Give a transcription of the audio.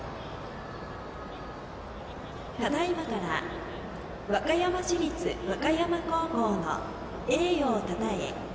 ただいまから和歌山市立和歌山高校の栄誉をたたえ